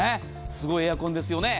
すごいエアコンですよね。